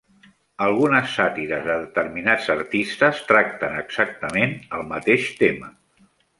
Algunes sàtires de determinats artistes tracten exactament el mateix tema.